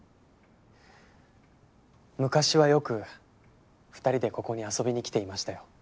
昔はよく２人でここに遊びに来ていましたよ。